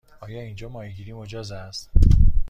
آیا اینجا ماهیگیری مجاز است؟